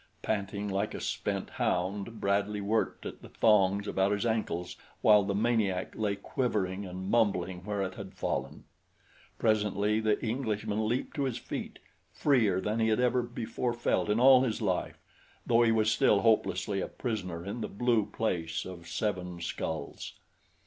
Panting like a spent hound Bradley worked at the thongs about his ankles while the maniac lay quivering and mumbling where it had fallen. Presently the Englishman leaped to his feet freer than he had ever before felt in all his life, though he was still hopelessly a prisoner in the Blue Place of Seven Skulls.